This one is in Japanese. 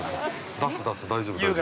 出す出す大丈夫大丈夫。